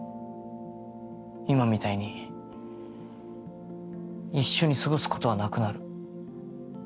今みたいに一緒に過ごすことはなくなる。